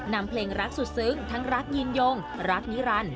นำเพลงรักสุดซึ้งทั้งรักยืนยงรักนิรันดิ